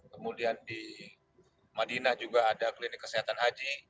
kemudian di madinah juga ada klinik kesehatan haji